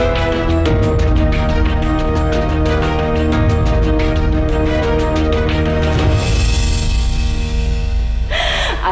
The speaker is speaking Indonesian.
aduh jeng elsa